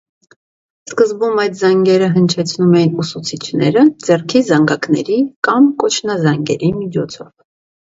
Սկզբում այդ զանգերը հնչեցնում էին ուսուցիչները ձեռքի զանգակների կամ կոչնազանգերի միջոցով։